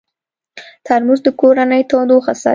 ترموز د کورنۍ تودوخه ساتي.